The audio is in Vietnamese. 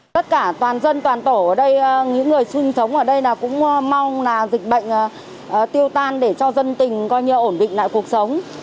tất cả toàn dân toàn tổ ở đây những người sinh sống ở đây cũng mong là dịch bệnh tiêu tan để cho dân tình coi như ổn định lại cuộc sống